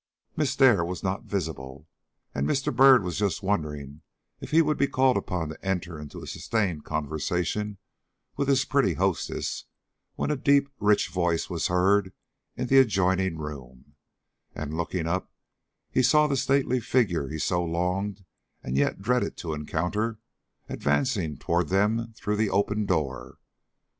Miss Dare was not visible, and Mr. Byrd was just wondering if he would be called upon to enter into a sustained conversation with his pretty hostess, when a deep, rich voice was heard in the adjoining room, and, looking up, he saw the stately figure he so longed and yet dreaded to encounter, advancing toward them through the open door.